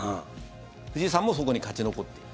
藤井さんもそこに勝ち残っている。